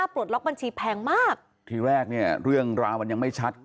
ปลดล็อกบัญชีแพงมากทีแรกเนี่ยเรื่องราวมันยังไม่ชัด